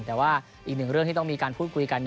แต่ว่าอีกหนึ่งเรื่องที่ต้องมีการพูดคุยกัน